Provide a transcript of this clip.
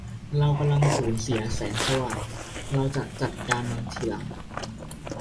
เรากำลังสูญเสียแสงสว่าง เราจะจัดการมันทีหลัง